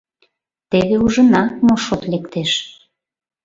Теве ужына, мо шот лектеш.